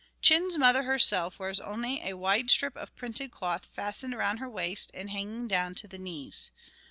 Chin's mother herself wears only a wide strip of printed cloth fastened around her waist and hanging down to the knees.